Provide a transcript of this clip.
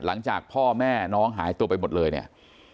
หลังจากพ่อแม่น้องหายตัวไปหมดเลยเนี่ย